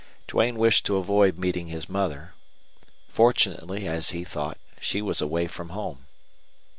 Duane wished to avoid meeting his mother. Fortunately, as he thought, she was away from home.